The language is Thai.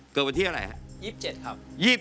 เกิดวันที่อะไรครับ